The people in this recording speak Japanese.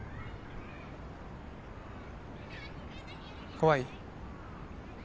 怖い？